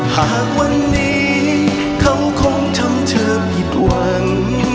หากวันนี้เขาคงทำเธอผิดหวัง